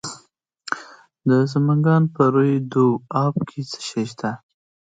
د سمنګان په روی دو اب کې څه شی شته؟